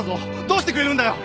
どうしてくれるんだよ！